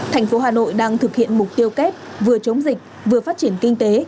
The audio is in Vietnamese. thành phố hà nội đang thực hiện mục tiêu kép vừa chống dịch vừa phát triển kinh tế